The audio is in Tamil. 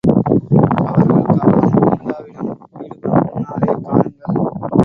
அவர்கள் கவனம் முல்லாவிடம் ஈடுபடும் முன்னாலே காணுங்கள்!